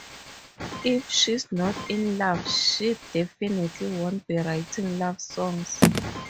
If she's not in love she definitely won't be writing love songs.